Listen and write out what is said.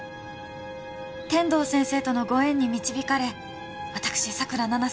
天堂先生とのご縁に導かれ私佐倉七瀬